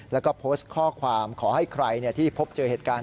แล้วก็โพสต์ข้อความขอให้ใครที่พบเจอเหตุการณ์